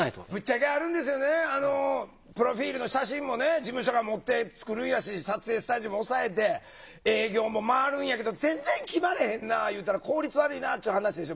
事務所が持って作るんやし撮影スタジオも押さえて営業も回るんやけど全然決まれへんないうたら効率悪いなっちゅう話でしょ？